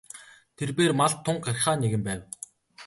Тэрбээр малд тун гярхай нэгэн байв.